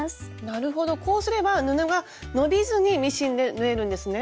なるほどこうすれば布が伸びずにミシンで縫えるんですね。